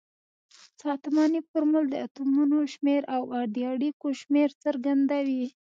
ساختمانی فورمول د اتومونو شمیر او د اړیکو شمیر څرګندوي.